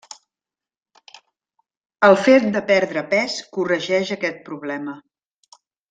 El fet de perdre pes corregeix aquest problema.